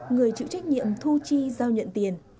người chịu trách nhiệm thu chi giao nhận tiền